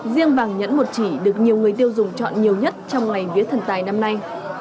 riêng vàng nhẫn một chỉ được nhiều người tiêu dùng chọn nhiều nhất trong ngày vía thần tài năm nay